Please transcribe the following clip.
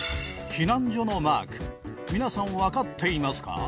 避難所のマーク皆さん分かっていますか？